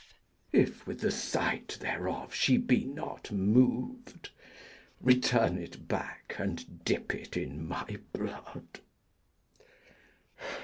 _ If with the sight thereof she be not mov'd, Return it back, and dip it in my blood.